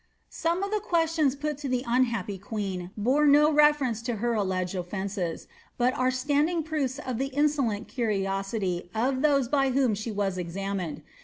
Some of the questions put to the unhappy queen bore no lefermn to her alleged ounces, but are standing proofs of the insolent curioatr of those by whom she was examined.